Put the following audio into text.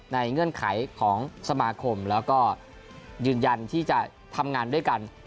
เงื่อนไขของสมาคมแล้วก็ยืนยันที่จะทำงานด้วยกัน